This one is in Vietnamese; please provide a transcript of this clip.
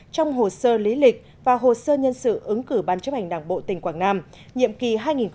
trong hồ sơ lý lịch và hồ sơ nhân sự ứng cử ban chấp hành đảng bộ tỉnh quảng nam nhiệm kỳ hai nghìn hai mươi hai nghìn hai mươi năm